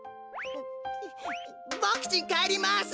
ボクちんかえります！